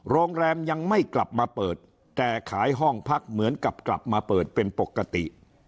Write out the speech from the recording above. โรงแรมยังไม่กลับมาเปิดแต่ขายห้องพักเหมือนกับกลับมาเปิดเป็นปกติ